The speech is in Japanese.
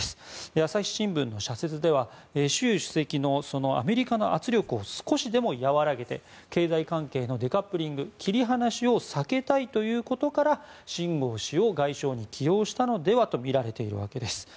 朝日新聞の社説では習近平主席のアメリカの圧力を少しでも和らげて経済関係のデカップリング切り離しを避けたいというところからシン・ゴウ氏を外相に起用したのではないかとみられているわけです。